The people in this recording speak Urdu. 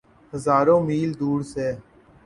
ہزاروں میل دور سے۔